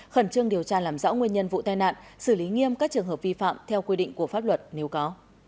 khẩn trương điều tra làm rõ nguyên nhân vụ tai nạn xử lý nghiêm các trường hợp vi phạm theo quy định của pháp luật nếu có